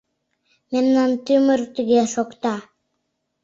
Мемнан тӱмыр тыге шокта.